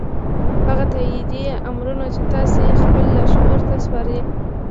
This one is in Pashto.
هغه تاييدي امرونه چې تاسې يې خپل لاشعور ته سپارئ.